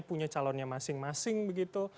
punya calonnya masing masing begitu